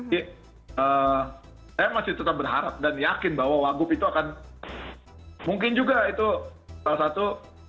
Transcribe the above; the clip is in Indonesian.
jadi saya masih tetap berharap dan yakin bahwa wagup itu akan mungkin juga itu salah satu